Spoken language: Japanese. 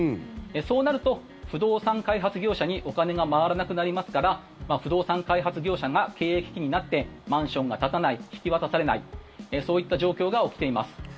そうなると、不動産開発業者にお金が回らなくなりますから不動産開発業者が経営危機になってマンションが建たない引き渡されないそういった状況が起きています。